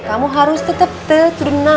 kamu harus tetep teturna